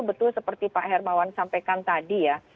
betul seperti pak hermawan sampaikan tadi ya